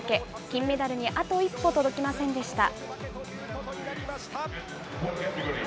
金メダルにあと一歩届きませんでした。